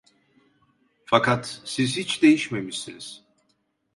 Fakat siz hiç değişmemişsiniz!